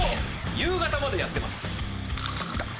夕方までやってます。